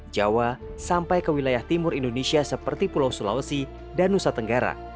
jawa sampai ke wilayah timur indonesia seperti pulau sulawesi dan nusa tenggara